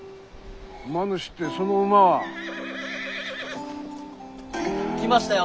馬主ってその馬は。来ましたよ。